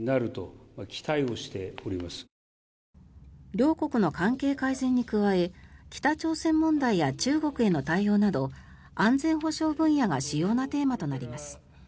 両国の関係改善に加え北朝鮮問題や中国への対応など安全保障分野が主要なテーマとなります。